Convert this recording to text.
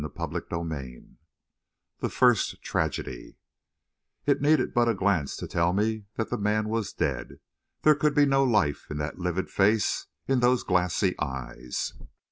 CHAPTER II THE FIRST TRAGEDY It needed but a glance to tell me that the man was dead. There could be no life in that livid face, in those glassy eyes.